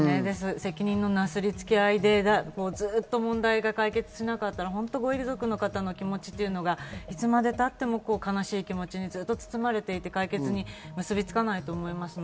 責任のなすりつけあいで、ずっと問題を抱えていったら、ご遺族の気持ちというのは、いつまでも悲しい気持ちに包まれていて解決に結びつかないと思います。